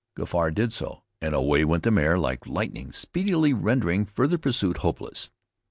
Gafar did so, and away went the mare like lightning, speedily rendering further pursuit hopeless.